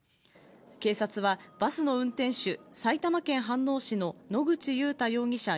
警察はバスの運転手、埼玉県飯能市の野口祐太容疑者